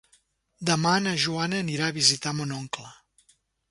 Demà na Joana anirà a visitar mon oncle.